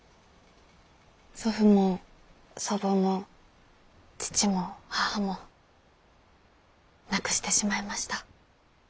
祖父も祖母も父も母も亡くしてしまいました。